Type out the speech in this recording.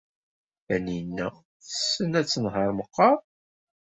Taninna tessen ad tenheṛ meqqar?